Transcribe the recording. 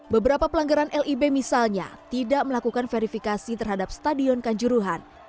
beberapa pelanggaran lib misalnya tidak melakukan verifikasi terhadap stadion kanjuruhan